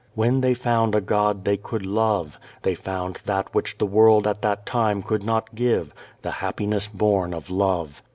When they found a God they could love, they found that which the world at that time could not give, the happiness bom of love.